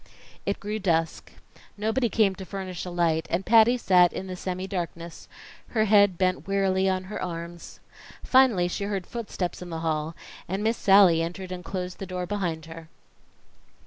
It grew dusk; nobody came to furnish a light, and Patty sat in the semi darkness, her head bent wearily on her arms. Finally she heard footsteps in the hall, and Miss Sallie entered and closed the door behind her.